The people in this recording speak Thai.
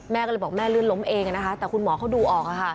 แม่ก็เลยบอกแม่ลื่นล้มเองนะคะแต่คุณหมอเขาดูออก